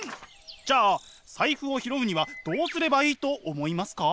じゃあ財布を拾うにはどうすればいいと思いますか？